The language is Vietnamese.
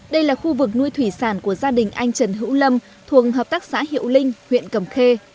đây là khu vực nuôi thủy sản của gia đình anh trần hữu lâm thuộc hợp tác xã hiệu linh huyện cầm khê